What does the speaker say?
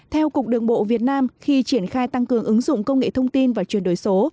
theo cục đường bộ việt nam khi triển khai tăng cường ứng dụng công nghệ thông tin và truyền đổi số